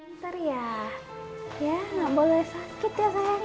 ntar ya ya nggak boleh sakit ya sayang